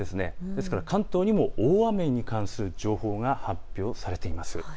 ですから関東にも大雨に関する情報が発表されています。